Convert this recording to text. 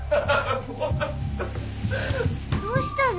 どうしたの？